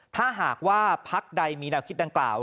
ถ้าหากว่าพักใดมีแนวคิดดังกล่าว